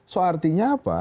soal artinya apa